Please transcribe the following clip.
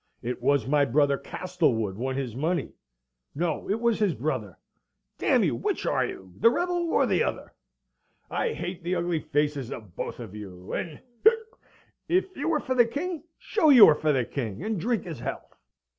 It was my brother Castlewood won his money no, it was his brother; d you, which are you, the rebel or the other? I hate the ugly faces of both of you, and, hic! if you are for the King, show you are for the King, and drink his health!"